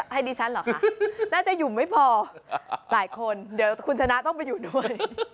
ให้ดิฉันเหรอคะน่าจะอยู่ไม่พอหลายคนเดี๋ยวคุณชนะต้องไปอยู่ด้วย